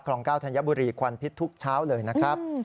อง๙ธัญบุรีควันพิษทุกเช้าเลยนะครับ